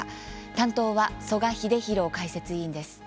担当は曽我英弘解説委員です。